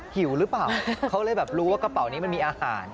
หิวหรือเปล่าเขาเลยแบบรู้ว่ากระเป๋านี้มันมีอาหาร